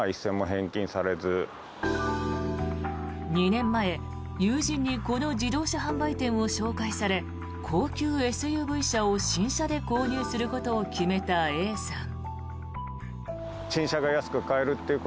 ２年前、友人にこの自動車販売店を紹介され高級ＳＵＶ車を新車で購入することを決めたＡさん。